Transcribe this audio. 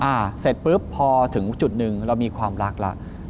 เสร็จปุ๊บพอถึงจุดหนึ่งเรามีความรักแล้ว